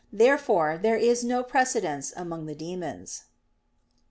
Therefore there is no precedence among the demons.